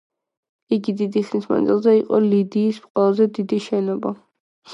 იგი დიდი ხნის მანძილზე იყო ლიდიის ყველაზე დიდი შენობა.